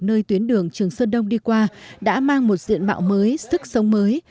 nơi tuyến đường trường sơn đông đi qua đã mang một diện mạo mới sức sống mới